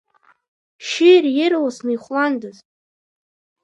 Шьыри ирласны ихәландаз!